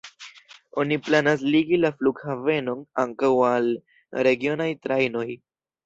Oni planas ligi la flughavenon ankaŭ al regionaj trajnoj.